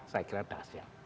saya kira dahsyat